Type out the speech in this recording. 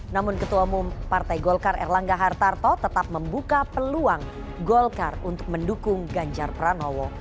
namun ketua umum partai golkar erlangga hartarto tetap membuka peluang golkar untuk mendukung ganjar pranowo